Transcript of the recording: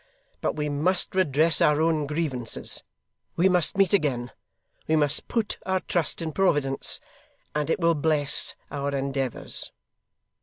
But we must redress our own grievances, we must meet again, we must put our trust in Providence, and it will bless our endeavours.